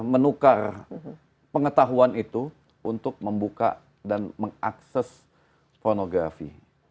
menukar pengetahuan itu untuk membuka dan mengakses pornografi